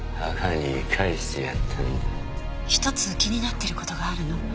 １つ気になってる事があるの。